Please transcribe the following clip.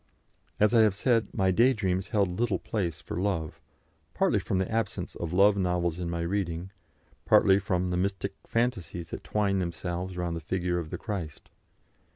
As I have said, my day dreams held little place for love, partly from the absence of love novels from my reading, partly from the mystic fancies that twined themselves round the figure of the Christ.